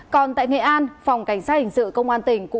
còn tại nghệ an phòng cảnh sát hình sự công an tỉnh cũng